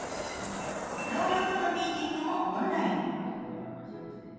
同僚とのミーティングもオンライン。